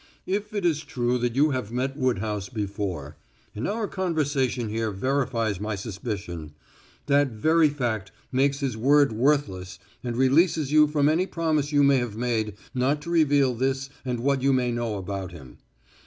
If it is true that you have met Woodhouse before and our conversation here verifies my suspicion that very fact makes his word worthless and releases you from any promise you may have made not to reveal this and what you may know about him.